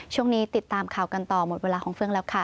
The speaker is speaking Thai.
ติดตามข่าวกันต่อหมดเวลาของเฟืองแล้วค่ะ